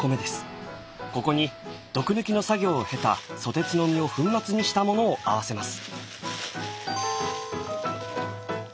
ここに毒抜きの作業を経たソテツの実を粉末にしたものを合わせます。